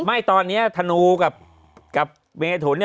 ไม่ตอนนี้ธนูกับเมถุน